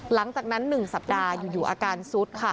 หลังจากนั้น๑สัปดาห์อยู่อาการซุดค่ะ